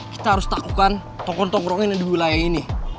kita harus takukan tongkong tongkong yang ada di wilayah ini